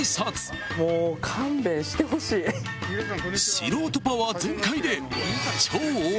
［素人パワー全開で］